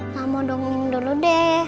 mama dongongin dulu deh